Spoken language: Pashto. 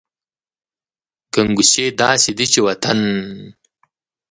ګنګوسې داسې دي چې وطن …